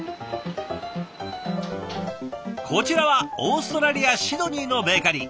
こちらはオーストラリア・シドニーのベーカリー。